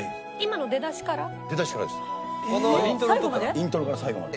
イントロから最後まで。